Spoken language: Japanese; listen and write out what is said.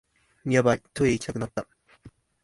ヤバい、トイレ行きたくなった